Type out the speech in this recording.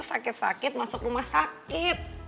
sakit sakit masuk rumah sakit